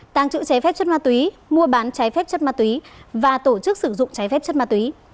tàng trữ trái phép chất ma túy mua bán trái phép chất ma túy và tổ chức sử dụng trái phép chất ma túy